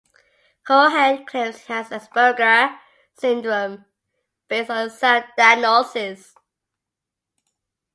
Cohen claims he has Asperger syndrome based on a self diagnosis.